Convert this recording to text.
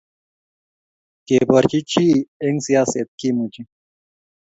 keborchi chii eng siaset kemuchi